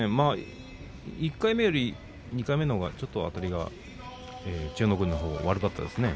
１回目より２回目のほうが、あたりが千代の国は悪かったですね。